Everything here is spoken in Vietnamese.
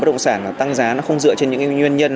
bất động sản tăng giá nó không dựa trên những nguyên nhân